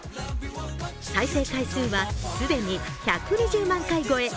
再生回数は既に１２０万回超え。